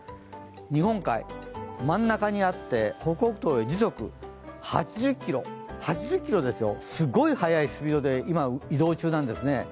日本海、真ん中にあって北北東へ時速８０キロ、すごい速いスピードで今、移動中なんですね。